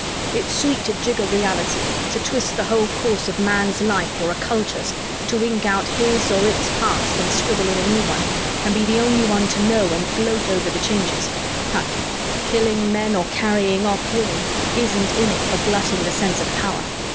"It's sweet to jigger reality, to twist the whole course of a man's life or a culture's, to ink out his or its past and scribble in a new one, and be the only one to know and gloat over the changes hah! killing men or carrying off women isn't in it for glutting the sense of power.